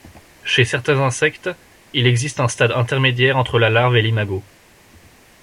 Chez certains insectes, il existe un stade intermédiaire entre la larve et l'imago.